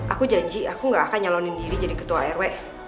aku janji aku gak akan nyalonin diri jadi ketua rw